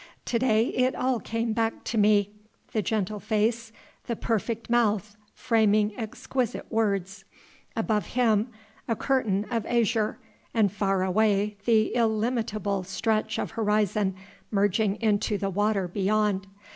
To day it all came back to me, the gentle face, the perfect mouth framing exquisite words. Above Him a curtain of azure, and far away, the illimitable stretch of horizon merging into the water beyond.